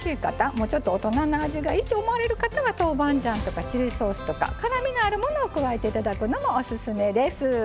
もうちょっと大人な味がいいと思われる方は豆板醤とかチリソースとか辛みのあるものを加えて頂くのもオススメです。